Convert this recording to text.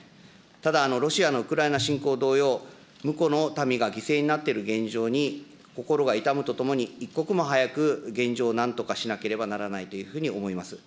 ただ、ロシアのウクライナ侵攻同様、むこの民が犠牲になっている現状に、心が痛むとともに、一刻も早く現状をなんとかしなければならないというふうに思います。